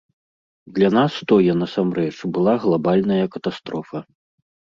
Для нас тое насамрэч была глабальная катастрофа.